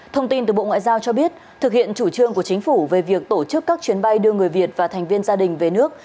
thông tin từ bộ ngoại giao cho biết thực hiện chủ trương của chính phủ về việc tổ chức các chuyến bay đưa người việt và thành viên gia đình về nước